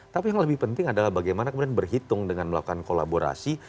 tapi yang lebih penting adalah bagaimana kemudian berhitung dengan melakukan kolaborasi